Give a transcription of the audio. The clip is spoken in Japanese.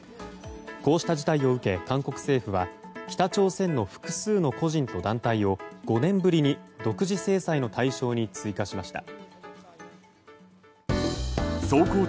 こうした事態を受け韓国政府は北朝鮮の複数の個人と団体を５年ぶりの独自制裁の対象に追加しました。